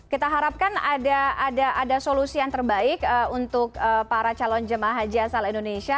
kita harapkan ada solusi yang terbaik untuk para calon jemaah haji asal indonesia